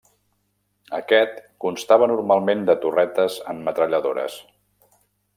Aquest constava normalment de torretes amb metralladores.